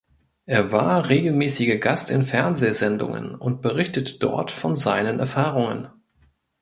Er war regelmäßiger Gast in Fernsehsendungen und berichtet dort von seinen Erfahrungen.